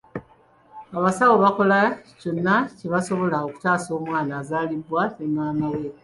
Abasawo bakola kyonna kye basobola okutaasa omwana azaaliddwa ne maama we.